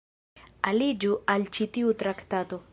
Aliĝu al ĉi tiu traktato.